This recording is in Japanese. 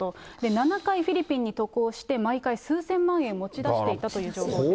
７回フィリピンに渡航して、毎回数千万円持ち出していたという情報です。